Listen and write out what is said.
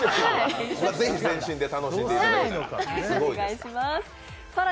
ぜひ全身で楽しんでいただいたら。